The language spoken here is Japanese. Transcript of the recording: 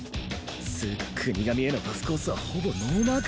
つうか國神へのパスコースはほぼノーマーク？